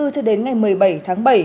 cho đến ngày một mươi bảy tháng bảy